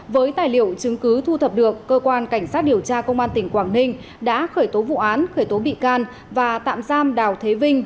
với tài liệu chứng cứ thu thập được cơ quan cảnh sát điều tra công an tỉnh quảng ninh đã khởi tố vụ án khởi tố bị can và tạm giam đào thế vinh